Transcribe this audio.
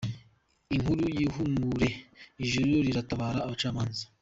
Inkuru y’ihumure, Ijuru riratabara Abacamanza